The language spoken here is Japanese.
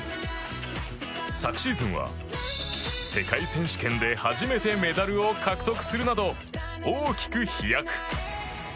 昨シーズンは、世界選手権で初めてメダルを獲得するなど大きく飛躍。